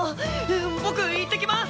僕行ってきます！